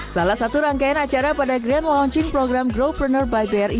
salah satu rangkaian acara pada grand launching program growtrenner by bri